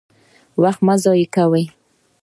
وخت مه ضایع کوئ